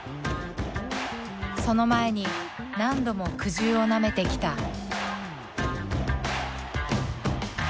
その前に何度も苦汁をなめてきた。